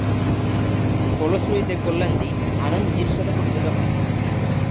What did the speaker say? ফলশ্রুতিতে কল্যাণজী-আনন্দজী’র সাথে পরিচিত হন।